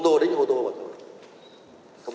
ô tô đến ô tô rồi thôi